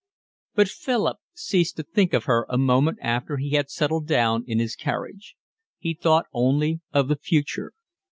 But Philip ceased to think of her a moment after he had settled down in his carriage. He thought only of the future.